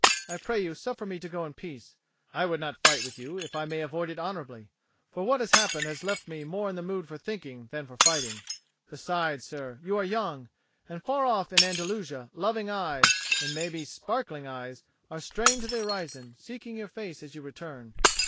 I pray you suffer me to go in peace. I would not fight with you, if I may avoid it honourably. For what has happened has left me more in the mood for thinking than for fighting. Besides, sir, you are young, and, far off in Andalusia, loving eyes, and maybe sparkling eyes, are strained to the horizon, seeking your face as you return."